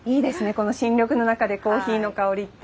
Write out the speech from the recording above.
この新緑の中でコーヒーの香りって。